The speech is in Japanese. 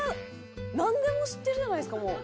「なんでも知ってるじゃないですかもう」